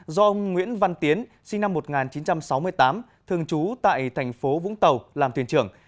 do ông nguyễn văn tiến sinh năm một nghìn chín trăm sáu mươi tám thường trú tại thành phố vũng tàu làm thuyền trưởng